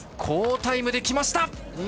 好タイムできました。